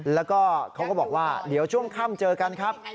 แล้วก็เขาก็บอกว่าเดี๋ยวช่วงค่ำเจอกันครับ